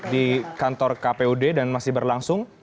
di kantor kpud dan masih berlangsung